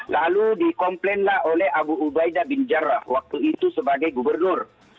lalu dikomplainlah oleh abu ubaida bin jarrah waktu itu sebagai gubernur